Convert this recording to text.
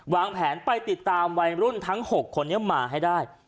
วางแผนไปติดตามวัยรุ่นทั้ง๖คนนี้มาให้ได้